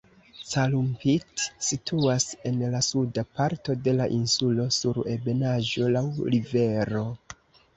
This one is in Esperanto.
Calumpit situas en la suda parto de la insulo sur ebenaĵo laŭ rivero.